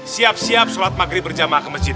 siap siap sholat maghrib berjamaah ke masjid